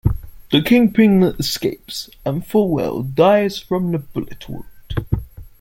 The Kingpin escapes, and Foswell dies from the bullet wound.